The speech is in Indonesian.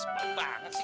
sepen banget sih